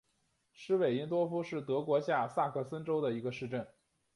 施韦因多夫是德国下萨克森州的一个市镇。